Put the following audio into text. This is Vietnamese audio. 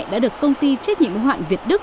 đã được công ty chết nhiễm hoạn việt đức